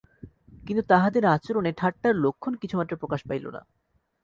কিন্তু তাহাদের আচরণে ঠাট্টার লক্ষণ কিছুমাত্র প্রকাশ পাইল না।